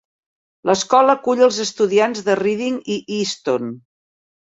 L'escola acull els estudiants de Redding i Easton.